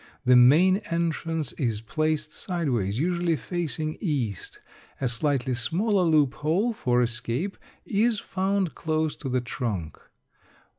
The main entrance is placed sideways, usually facing east; a slightly smaller loop hole for escape is found close to the trunk.